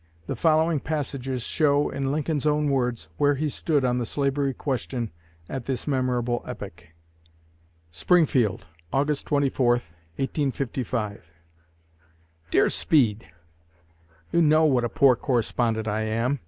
The following passages show, in Lincoln's own words, where he stood on the slavery question at this memorable epoch: SPRINGFIELD, AUGUST 24, 1855. Dear Speed: You know what a poor correspondent I am.